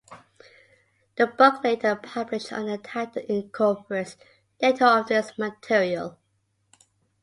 The book later published under that title incorporates little of this material.